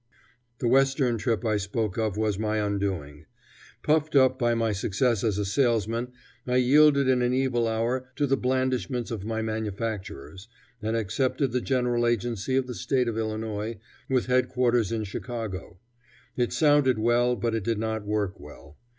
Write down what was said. The Western trip I spoke of was my undoing. Puffed up by my success as a salesman, I yielded in an evil hour to the blandishments of my manufacturers, and accepted the general agency of the State of Illinois, with headquarters in Chicago. It sounded well, but it did not work well.